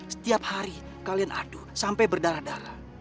setiap hari kalian adu sampai berdarah darah